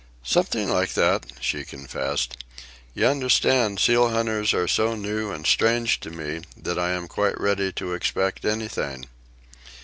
"Something like that," she confessed. "You understand, seal hunters are so new and strange to me that I am quite ready to expect anything."